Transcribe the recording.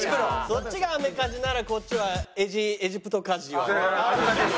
そっちがアメカジならこっちはエジプトカジュアル。